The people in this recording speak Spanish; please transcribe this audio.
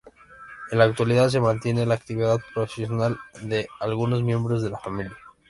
En la actualidad se mantiene la actividad profesional de algunos miembros de la familia.